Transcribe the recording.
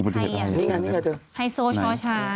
อุบัติเหตุอะไรนี่ไงนี่ไงเถอะ